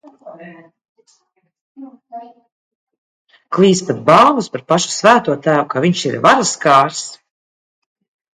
Klīst pat baumas par pašu Svēto Tēvu, ka viņš ir varaskārs!